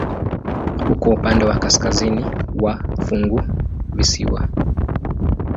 Uko upande wa kaskazini wa funguvisiwa.